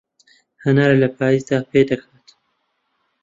هەنار لە پایزدا پێدەگات